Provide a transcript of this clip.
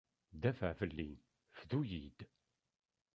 Dafeɛ fell-i, fdu-yi-d.